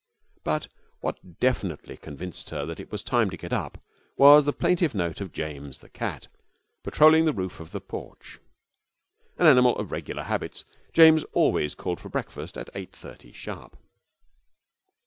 But what definitely convinced her that it was time to get up was the plaintive note of James, the cat, patrolling the roof of the porch. An animal of regular habits, James always called for breakfast at eight thirty sharp.